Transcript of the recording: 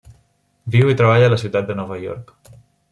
Viu i treballa a la ciutat de Nova York.